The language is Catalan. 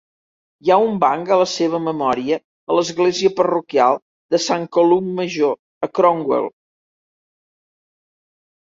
Hi ha un banc a la seva memòria a l'església parroquial de Saint Columb Major, a Cornwall.